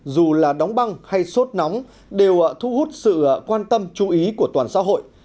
dù là đóng băng hay sốt nóng đều thu hút sự quan tâm chú ý của toàn xã hội